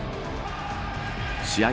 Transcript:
試合